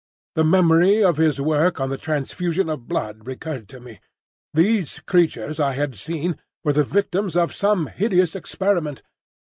The memory of his work on the transfusion of blood recurred to me. These creatures I had seen were the victims of some hideous experiment.